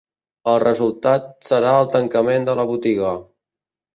El resultat serà el tancament de la botiga.